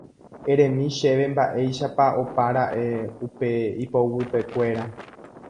Eremi chéve mba'éichapa opara'e upe ipoguypekuéra